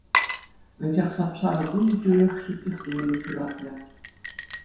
Анчах сап-сарӑ куҫӗ тӳрех шиклӗх туйӑмӗ ҫуратрӗ.